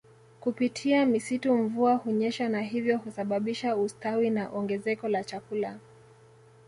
Kupitia misitu mvua hunyesha na hivyo kusababisha ustawi na ongezeko la chakula